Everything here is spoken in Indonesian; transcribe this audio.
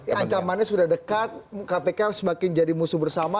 ancamannya sudah dekat kpk semakin jadi musuh bersama